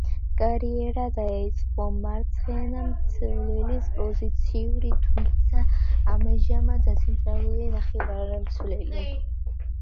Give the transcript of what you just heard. კარიერა დაიწყო მარცხენა მცველის პოზიციაზე, თუმცა ამჟამად ცენტრალური ნახევარმცველია.